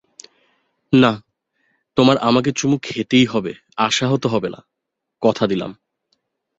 না, তোমার আমাকে চুমু খেতেই হবে আশাহত হবে না, কথা দিলাম।